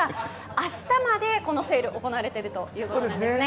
明日までこのセール行われているということですね。